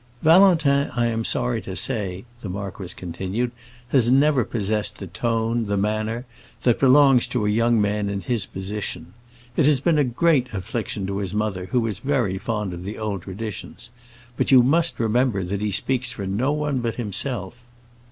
"Valentin, I am sorry to say," the marquis continued, "has never possessed the tone, the manner, that belongs to a young man in his position. It has been a great affliction to his mother, who is very fond of the old traditions. But you must remember that he speaks for no one but himself."